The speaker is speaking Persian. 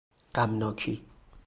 غمناکی